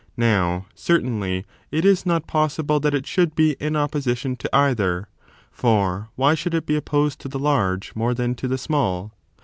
^ow, certainly, opposition. .^ .g ^^^ possible that it should be in opposition to either; for why should it be opposed to the large more than to the small?